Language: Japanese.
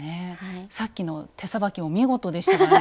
さっきの手さばきも見事でしたからね。